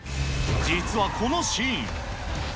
実はこのシーン。